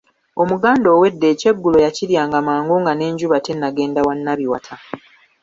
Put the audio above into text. Omuganda ow’edda ekyeggulo yakiryanga mangu nga n’enjuba tenagenda wa Nabiwata.